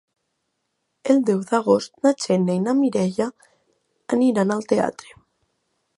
El deu d'agost na Xènia i na Mireia aniran al teatre.